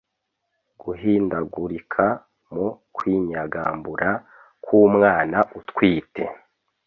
guhindagurika mu kwinyagambura k’umwana utwite